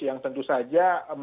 yang tentu saja menjadi pertanyaan